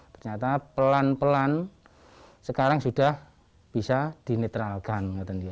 ternyata pelan pelan sekarang sudah bisa dinetralkan